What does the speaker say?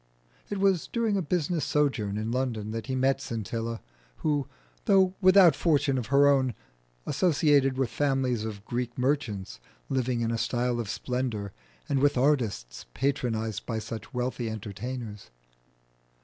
It was during a business sojourn in London that he met Scintilla, who, though without fortune, associated with families of Greek merchants living in a style of splendour, and with artists patronised by such wealthy entertainers.